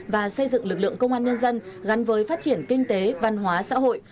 và xây dựng lực lượng công an nhân dân gắn với phát triển kinh tế văn hóa xã hội